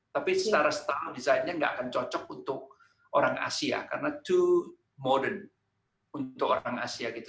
tapi secara style desainnya nggak akan cocok untuk orang asia karena to modern untuk orang asia gitu